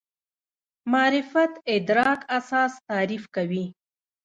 معرفت ادراک اساس تعریف کوي.